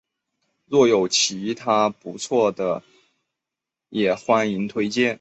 若有其他不错的也欢迎推荐